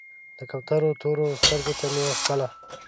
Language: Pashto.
د کوترو تورو سترګو ته مې خپله